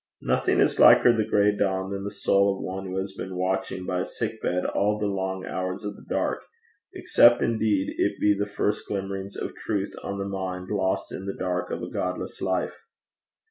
Nothing is liker the gray dawn than the soul of one who has been watching by a sick bed all the long hours of the dark, except, indeed, it be the first glimmerings of truth on the mind lost in the dark of a godless life.